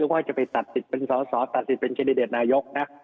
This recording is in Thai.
ว่าจะไปตัดสิทธิ์เป็นสอสอตัดสิทธิเป็นแคนดิเดตนายกนะ